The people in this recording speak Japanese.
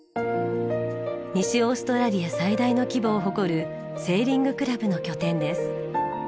西オーストラリア最大の規模を誇るセーリングクラブの拠点です。